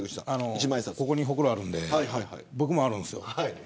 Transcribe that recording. ここにほくろがあるので僕も同じあるんですよ。